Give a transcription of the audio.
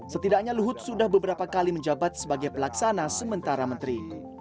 setidaknya luhut sudah beberapa kali menjabat sebagai pelaksana sementara menteri